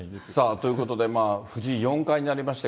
ということで、藤井四冠になりまして、